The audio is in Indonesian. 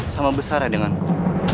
sama besar adenganku